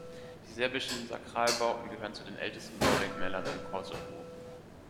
Die serbischen Sakralbauten gehören zu den ältesten Baudenkmälern im Kosovo.